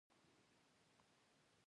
د خوراکي توکو په تولید کې زیاتوالی راغی.